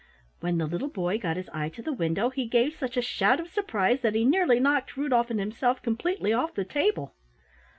When the little boy got his eye to the window he gave such a shout of surprise that he nearly knocked Rudolf and himself completely off the table.